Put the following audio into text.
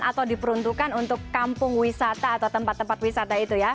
atau diperuntukkan untuk kampung wisata atau tempat tempat wisata itu ya